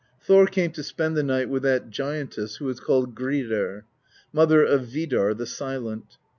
"Thor came to spend the night with that giantess who was called Gridr, mother of Vidarr the Silent.